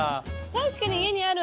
確かに家にある。